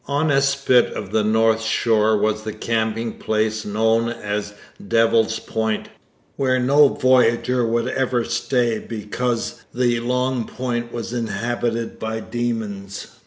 On a spit of the north shore was the camping place known as Devil's Point, where no voyageur would ever stay because the long point was inhabited by demons.